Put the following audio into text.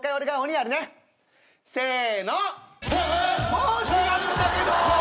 もう違うんだけど！